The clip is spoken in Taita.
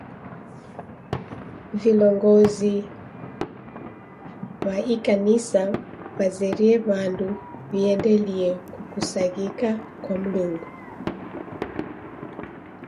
Vilongozi w'a ikanisa w'azerie w'andu wiendelie kukusaghika kwa Mlungu.